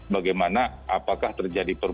bagaimana apakah terjadi perburukan